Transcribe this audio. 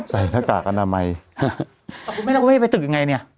ใส่หน้ากากอนามัยคุณไม่ต้องเว้ยไปตึกยังไงเนี้ย